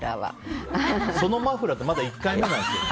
そのマフラーってまだ１回目なんですけど。